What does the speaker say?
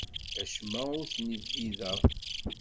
Acemma ur t-nbiḍeɣ.